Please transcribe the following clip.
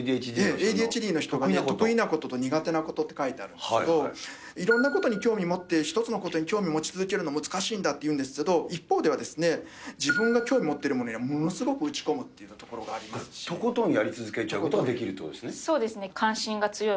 ＡＤＨＤの人が得意なことと苦手なことって書いてあるんですけど、いろんなことに興味持って、一つのことに興味持ち続けるの難しいんだっていうんですけど、一方では、自分が興味を持っているものには打ち込むというところがありますとことんやり続けちゃうことができるということですね。